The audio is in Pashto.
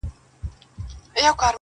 هغې ته درد لا ژوندی دی,